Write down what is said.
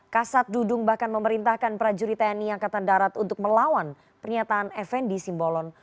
kasat dudung bahkan memerintahkan prajurit tni angkatan darat untuk melawan pernyataan fnd simbolon